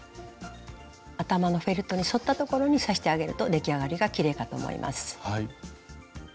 頭のフェルトに沿ったところに刺してあげると出来上がりがきれいかと思います。